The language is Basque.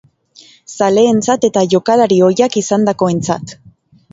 Zaleentzat eta jokalari ohiak izandakoentzat.